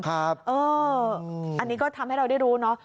อันนี้ก็ทำให้เราได้รู้เนอะ